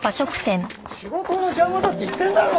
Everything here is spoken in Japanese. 仕事の邪魔だって言ってるだろ！